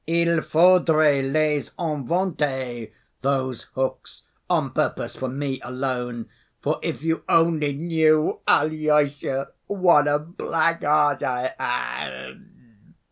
Il faudrait les inventer, those hooks, on purpose for me alone, for, if you only knew, Alyosha, what a blackguard I am."